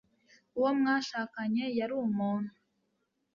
Uwo mwashakanye yari umuntu.